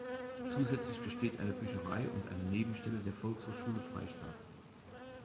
Zusätzlich besteht eine Bücherei und eine Nebenstelle der Volkshochschule Freistadt.